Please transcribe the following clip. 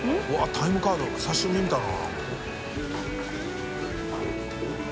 タイムカード久しぶりに見たな。